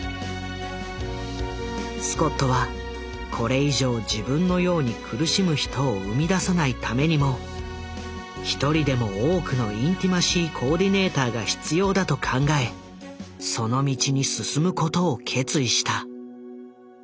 スコットはこれ以上自分のように苦しむ人を生み出さないためにも一人でも多くのインティマシー・コーディネーターが必要だと考えその道に進むことを決意した。